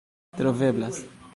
troveblas